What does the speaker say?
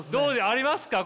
ありますか？